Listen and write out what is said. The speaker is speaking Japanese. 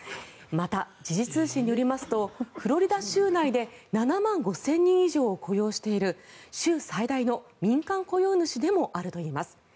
また、時事通信によりますとフロリダ州内で７万５０００人以上を雇用している州最大の民間雇用主でもあるといいます。